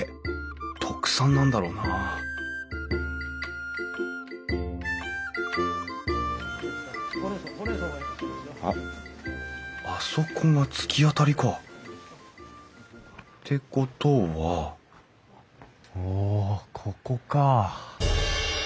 特産なんだろうなあっあそこが突き当たりか。ってことはおここか。